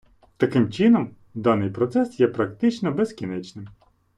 Таким чином, даний процес є практично безкінечним.